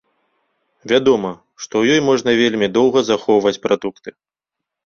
Вядома, што ў ёй можна вельмі доўга захоўваць прадукты.